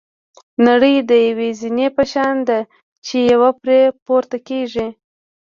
نړۍ د یوې زینې په شان ده چې یو پرې پورته کېږي.